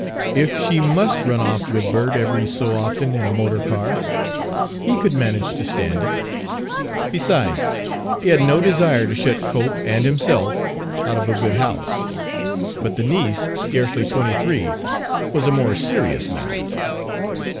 If she must run off with Bert every so often in a motor car, he could manage to stand it. Besides, he had no desire to shut Cope and himself out of a good house. But the niece, scarcely twenty three, was a more serious matter.